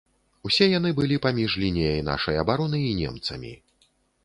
Усе яны былі паміж лініяй нашай абароны і немцамі.